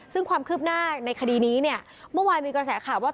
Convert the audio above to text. ซึ่งความคืบหน้าในคดีนี้เนี่ยเมื่อวานมีกระแสข่าวว่า